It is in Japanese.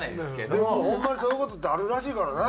でもホンマにそういう事ってあるらしいからね。